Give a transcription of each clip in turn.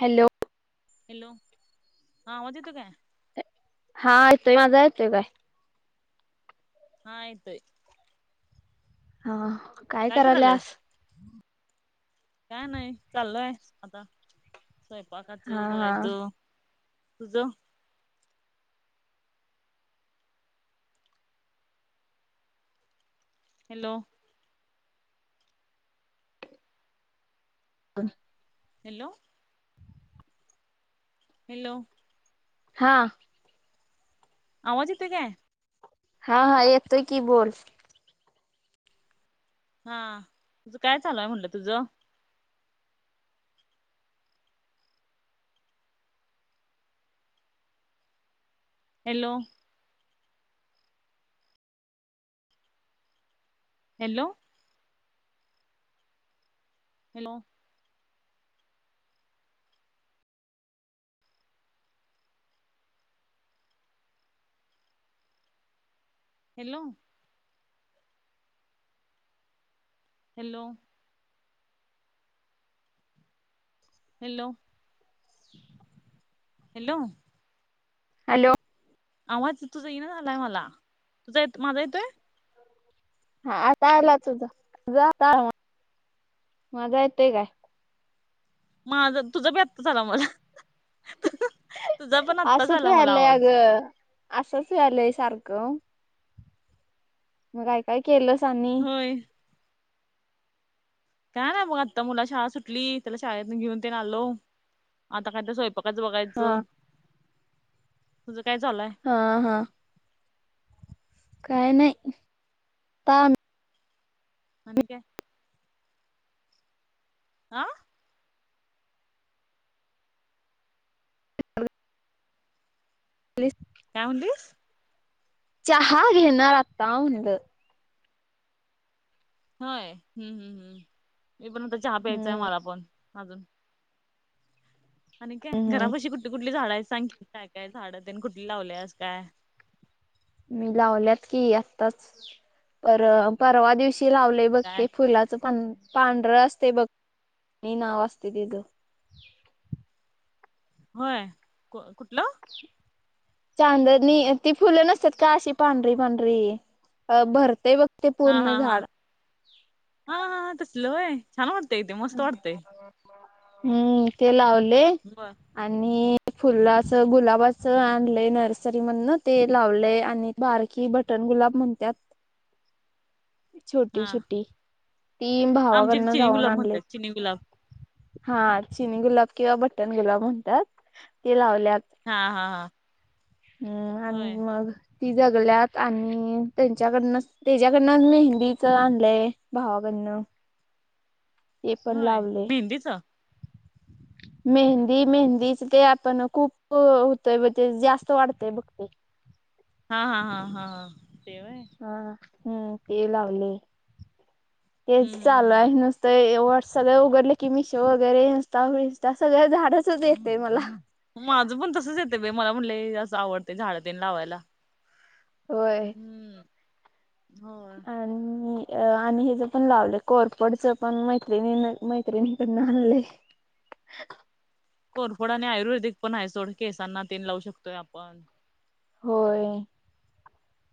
Hello. Hello. हां आवाज येतोय काय? हा येतोय. माझा येतोय काय? हा येतोय. हा. काय करायल्या? काय नाही. चाल्लय आता स्वयपाकाच हा हा बघायच. तुझ? हॅलो. ह. हॅलो. हॅलो. हा. आवाज येतोय काय? हा. हा येतोय की बोल. हा. तुझं काय चालूय म्हंटलं तुझं? Hello. Hello. Hello. Hello. Hello. Hello. - Hello. Hello. आवाज तुझा येईना झालाय मला. तुझं येत माझा येतोय? हा आता आला तुझा. माझा येतोय काय? माझा, तुझा बी आत्ताच आला मला. तुझा पण आत्ताच आला मला आवाज. अ - असंच यायलंय सारखं. मग काय काय केलंस आनी? होय काय ना बुवा. आता मुला शाळा सुटली त्याला शाळेतून घेऊन तेन आलो. आता काय तर स्वय- पकाचं बघायचं. तुझं काय चालुय? हं. हं. काय नाही. पाम- आणि काय? आं? [unintelligible] काय म्हणली? चहा घेणार आता म्हणलं. होय. हम्म हम् हम्म. मी पण आता चहा प्यायचाय हम्म मला पण अजून. आणि काय? हम्म घरापाशी कुठली कुठली झाडयत? सांगकी काय काय झाडं तेन कुठली लावल्यास काय? मी लावल्यात की आत्ताच. पर- परवा दिवशी लावलय. तेच काय ते फुलाचं पांढ पांढरं असतय बघ. नाव असतय ते ग. व्हय. को कुठलं? [inaudible] चांदणी. ती फुलं नसतात का? अशी पांढरी पांढरी. अं भरतेय बघ. ते हा पूर्ण हा झाड हा. हा हा हा तसल व्हय? छान वाटतंय एकदम मस्त वाटतय. हम्म. ते लावले. बर आणि फुलाच गुलाबाचं आणलंय नर्सरी मधन. ते लावलय आणि- बारकी बटन गुलाब म्हणत्यात. छोटी हा छोटी. ती आमच्या इथे भावाकडनं चिनी जाऊन गुलाब आणलेत. म्हणतात चिनी गुलाब. हा. चिनी गुलाब किंवा बटन गुलाब म्हणतात. ते लावल्यात. हा हा हा हम्म होय आणि मग ती गळाल्यात आणि त्यांच्याकडनं त्याच्याकडं मेहंदीच आणलंय भावाकडनं ते पण होय लावले मी मेहदीच मेहंदी मेहंदीच ते आपण खूप होतय ते जास्त वाढतय बघते हा हा हा हा हा तेवय हा हम्म ते लावले तेच चालू हम्म आहे नुसतं तर व्हॉट्सअपला उघडले की मिशो वगैरे इंस्टा फ इंस्टा सगळ्या झाडच येते मला माझं पण तसंच येते बाई मला पण लय असं आवडतय झाडंतेन लावायला होय हम्म होय आणि आणि हिज पण लावले कोरपडच पण मैत्रिणी मैत्रिणीकडन आणलंय कोरफोड आणि आयुर्वेदिक पण आहे सोड केसांना तेन लावू शकतोय आपण होय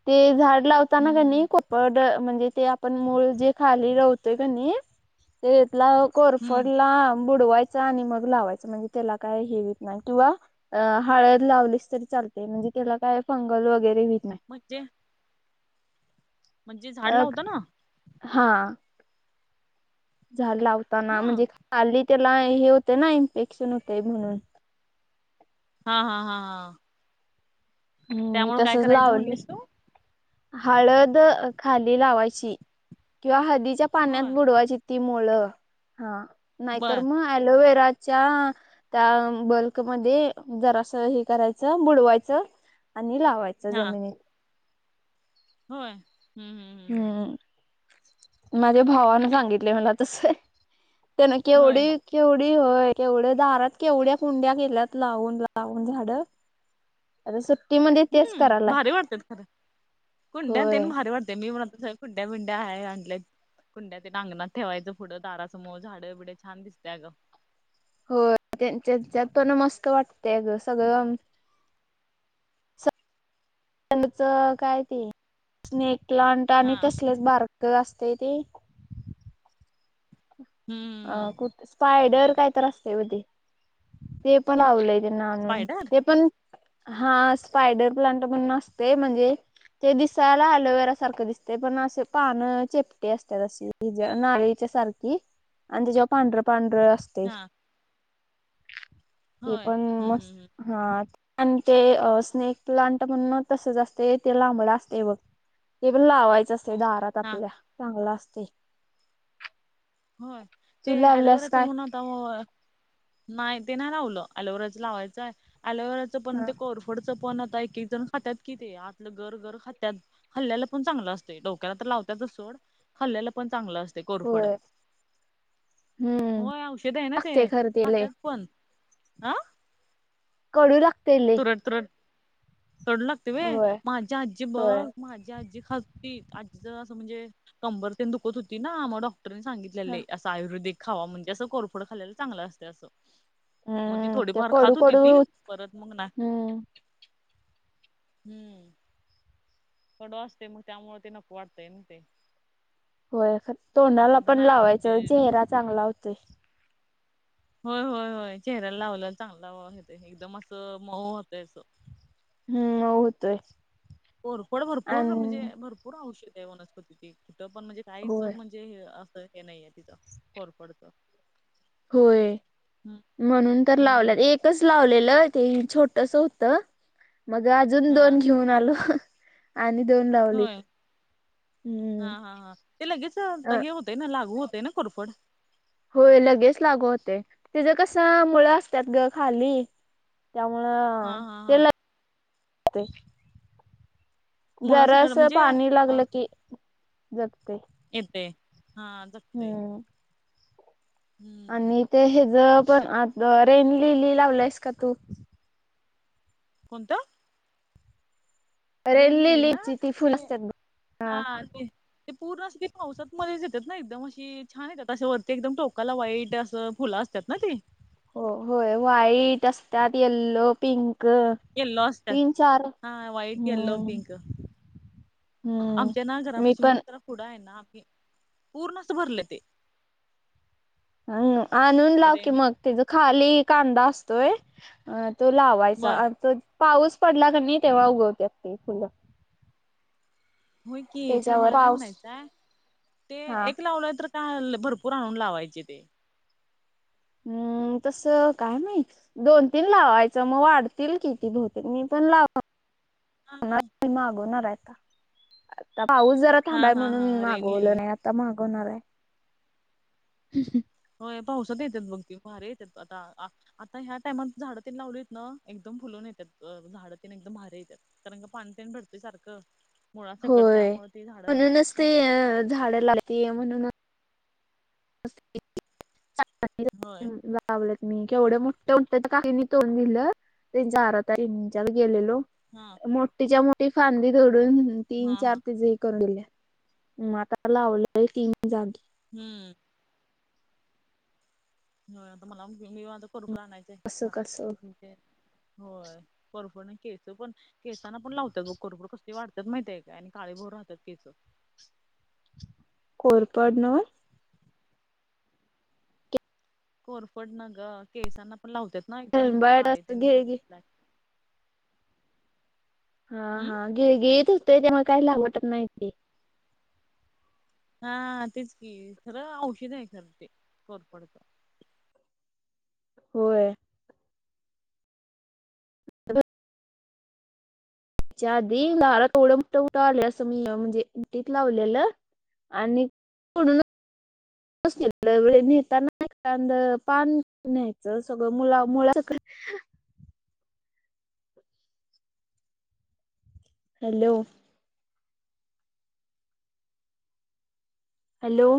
ते झाड लावताना का नाही हम्म को पड म्हणजे ते आपण मूळ जे खाली राहतोय का नाही तेतला हम्म. कोरफडला बुडवायचा आणि मग लावायचा म्हणजे त्याला काय हेवीत नाही किंवा अ हळद लावलीच तरी चालते म्हणजे त्याला काय फंगल वगैरे होत नाही म्हणजे म्हणजे झाड अ लावताना ना हा झाला होताना हा म्हणजे खाली त्याला हे होतं ना इन्फेक्शन होतय म्हणून हा हा हा हा हम्म मी त्यामुळे काय तसंच करायचं लावले म्हणलीस तू? हळद खाली लावायची किंवा हळदीच्या पाण्यात होय. बुडवायची ती मुळ हा नाहीतर बर मग अलोवेराच्या त्या बल्कमध्ये जरास हे करायचं बुडवायचं आणि लावायचं हा जमिनीत होय हम्म हम्म हम्म माझ्या भावानं सांगितले मला तसं आहे त्यांन होय. केवढी केवढी होय केवढ्या दारात केवढ्या कुंड्या केेल्यात लावून लावून झाडं आता सुट्टीमध्ये तेच हम्म करायलाय भारी वाटतात खरं कुंड्या होय तेन भारी वाटतय मी म्हणत सगळं कुंड्या बिंड्या आहे आणल्या कुंड्या ते आगणात ठेवायचं पुढं दारासमोर झाडं बिडे छान दिसतेय गं हो त्यांच्याच्यात पण मस्त वाटते सगळं त्यांच काय ते स्नेक प्लांट आणि हा तसलेच बारक असते ते अ हम्म कुठ स्पायडर काय तर असते बघ ते पण लावलंय त्यांना स्पायडर ते पण हा स्पायडर प्लांट पण न असते म्हणजे ते दिसायला अलुवेरा सारखं दिसते पण असे पान चेपटी असते तशी ह ज नारच्या सारखी आणि त्या जेव्हा पांढरं पांढरं असते हा ते होय पण हम्म हम्म मस्त हा आणि ते स्नेक प्लांट म्हण तस जा असते ते लांबड असते बघ ते पण लावायचं असते दारात हा आपल्या चांगला असते हो ते तू लावल्यास अलेवराचं काय म्हण नाही ते नाही लावलं अलोवेराचं लावायचं आहे अलोवेराचं पण हा ते कोर कोरफडचं पण आता एक एक जण खातात कि ते आतलं गर गर खातात खाल्ल्याला पण चांगलं असते डोक्याला तर लावतच सोड खाल्ल्याला पण चांगलं असते कोरफड होय हम्म होय औषध आहे ना ते लागते खरं ते लय खात्यात पण ह कडू लागतय. कडू लागते होय माझी आजी होय बघ. माझी आजी खाती आजीच असं म्हणजे कंबर ते दुखत होती ना म्हणून डॉक्टर सांगितल्याले असं आयुर्वेदिक खावा म्हणजे असं कोरफोड खालेला चांगलं असते असं. मग ती हम्म त्या थोडीफार खात कडू होती ती कडू परत ना हम्म हम्म. कडू असते मग त्यामुळे ते नको वाटतंय ना ते होय तोंडाला आपण तर पण ना म्हणजे लावायचं चेहरा चांगला होतोय. होय होय होय चेहऱ्याला लावलेला चांगलाेत एकदम असं मऊ होतय अस. हम्म होऊत आहे. भरपड भरपूर म्हणजे भरपूर आवष्य आहे वनस्पती तिथं पण म्हणजे होय काहीचज जे असं का नाहीय तिचां खरफडत होय म्हणून तर लावले हम्म एकच लावलेलं ते छोटस होतं. मग अजून हा दोन घेऊन आलो आणि दोन होय लावलीत हा हम्म. हा हा ते लगेच अ हे होतं ना लागू होतय ना कोरफड होय लगेच लागू होते तच कस मुळं असतात ग खाली. हा हा त्यामुळे हा ते मुळासकट जरास म्हणजे पाणी अ लागल की जगते. येते हा. जगते हम. हम्म आणि ते ह ज पण आ रेन लीली लावलंयस का तू कोणतं? रेड रेणलीली ना लिलीची ती फुल ते असतात बघ. हा ते ते पूर्ण असं पावसात मध्येच येतात ना एकदम अशी छान येतात वरती एकदम अस टोकाला वाईट असं फुलं असत त्यात ना ते हो होय व्हाईट असतात येल्लो पिंक येल्लो असतात चार हा व्हाईट येल्लो हम्म पिंक आमच्या ना हम्म मी घरापशी म पण चित्र पुढं आहे ना पूर्ण असं भरलं ते अ आणून लाव की रेनी मग त्याचा खाली कांदा असतोय. अ तो ब लावायचा तो पाऊस पडला का नाही तेव्हा उगवते त फुलं हो की खर त्याच्यावर मला काय पाऊस म्हणायचंय ते हा एक लावलं तर भरपूर आणून लावायचे ते हम्म तस काय माहित? दोन तीन लावायचं मग वाढतील किती बहुतेक मी पण लावलो. हा मागवणार आहे पाऊस जरा हा थांबाय हा म्हणून हा रेन मागवल लिली नाही आता मागवणार आहे. होय पाऊसात येतात बघ त भारी येतात आता आता ह्या टायमात झाडं तन लावली येत ना एकदम फुलून येतात झाडं तन एकदम भारे येतात. कारण का पाणतेण भरते सारखं मुळा सक त्यामुळे ती झाडं भारी कर. झाड लागते म्हणून [unintelligible] होय. लावले ली मी केवढं मोठ होत काही नाही दोन नहल त्यांच्या अरा तारीच्या गेलेलो. हा. मोठीच्या मोठी फांदी धडून तीन हा हा चार तज ह करून दिल्या. आता लावलंय ती मग झाड जागी हम्म. हो आता मला मी वाझ करूप राह आणयचं कसं आहे कसं म्ह ते होय. परपण खळच पण केचांना पण लावतात करपुड कसली वाडतात माहितय काय आणि काळे भोर राहतात केसं. कोरपडनं. कोरफडनं ग केसांना पण लावतात ना एकदम हेंबाळ काळे असं तेनं गिळगी राहतात. हा हम्म हा गिळगीळीत होतय त्यामुळं काय लावू वाटत नाही ते. हा हा तेच की खरं औषध आहे खरं ते कोरपडच. होय. [unintelligible] हेच्या आधी लार [unintelligible] उठ आले अस मी म्हणजे इटीत लावलेलं. आणि पडून [unintelligible] पान न्यायचं सगळं मळा मुळ्याचचं. [unintelligible] Hello hello